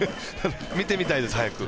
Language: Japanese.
見てみたいです、早く。